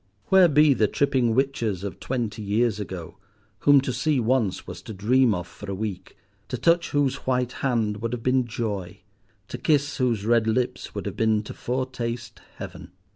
Where be the tripping witches of twenty years ago, whom to see once was to dream of for a week, to touch whose white hand would have been joy, to kiss whose red lips would have been to foretaste Heaven.